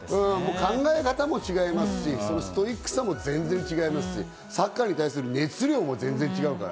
考え方も違いますし、ストイックさも全然違いますし、サッカーに対する熱量も全然違うから。